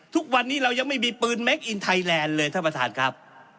ทุกวันนี้เรายังไม่มีปืนแม็กอินไทยแลนด์เลยท่านประธานครับ